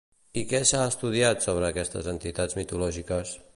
I què s'ha estudiat sobre aquestes entitats mitològiques?